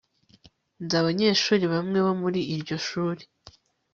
nzi abanyeshuri bamwe bo muri iryo shuri